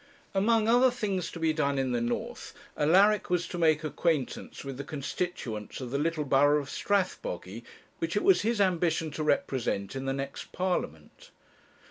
Among other things to be done in the north, Alaric was to make acquaintance with the constituents of the little borough of Strathbogy, which it was his ambition to represent in the next Parliament.